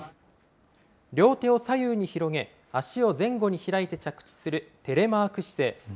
両手を左右に広げ、足を前後に開いて着地するテレマーク姿勢。